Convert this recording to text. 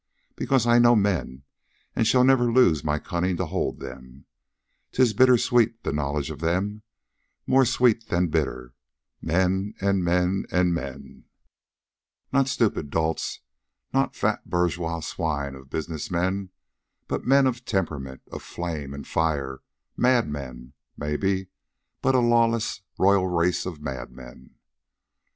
Because I know men, and shall never lose my cunning to hold them. 'Tis bitter sweet, the knowledge of them, more sweet than bitter men and men and men! Not stupid dolts, nor fat bourgeois swine of business men, but men of temperament, of flame and fire; madmen, maybe, but a lawless, royal race of madmen.